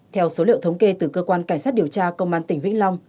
theo số liệu thống kê từ cơ quan cảnh sát điều tra công an tỉnh vĩnh long